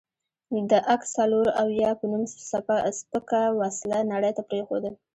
د اک څلوراویا په نوم سپکه وسله نړۍ ته پرېښوده.